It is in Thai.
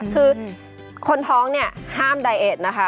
คือคนท้องเนี่ยห้ามไดเอสนะคะ